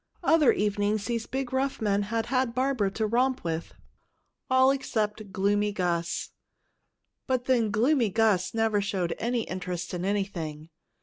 Other evenings these big, rough men had had Barbara to romp with, all except Gloomy Gus. But then Gloomy Gus never showed any interest in anything.